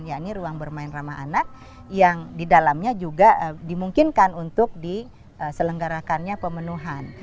yakni ruang bermain ramah anak yang di dalamnya juga dimungkinkan untuk diselenggarakannya pemenuhan